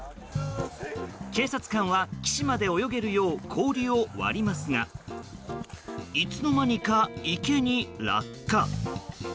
警察官は岸まで泳げるよう氷を割りますがいつの間にか、池に落下。